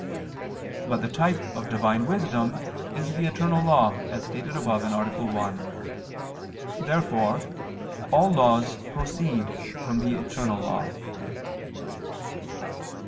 But the type of Divine Wisdom is the eternal law, as stated above (A. 1). Therefore all laws proceed from the eternal law.